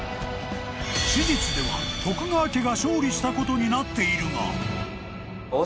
［史実では徳川家が勝利したことになっているが］